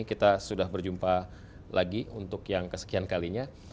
kita sudah berjumpa lagi untuk yang kesekian kalinya